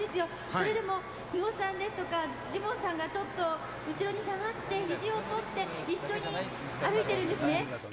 それでも肥後さんですとか、ジモンさんがちょっと後ろに下がって、ひじを取って、一緒に歩いてるんですね。